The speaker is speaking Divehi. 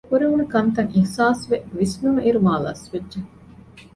ކުރެވުނުކަންތައް އިހުސާސްވެ ވިސްނުނުއިރު މާލަސްވެއްޖެ